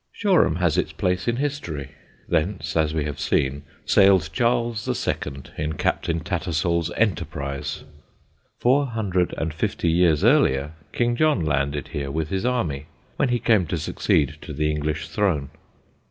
Shoreham has its place in history. Thence as we have seen, sailed Charles II. in Captain Tattersall's Enterprise. Four hundred and fifty years earlier King John landed here with his army, when he came to succeed to the English throne.